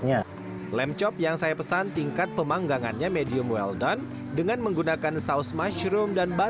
ya ini yang saya pesan pertama kali adalah sop domba